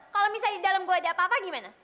kalau misalnya di dalam gua ada apa apa gimana